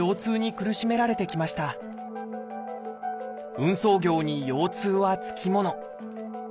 運送業に腰痛は付き物。